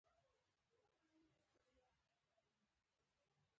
دې سمندرګي ته یې ځکه دا نوم ورکړ چې خلکو سپین زر اېستل.